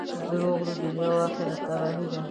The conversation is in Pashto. • دروغ د دنیا او آخرت تباهي ده.